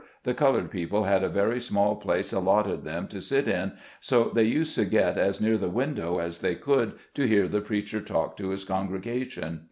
The colored people had a very small place allotted them to sit in, so they used to get as near the window as they could to hear the preacher talk to his congre gation.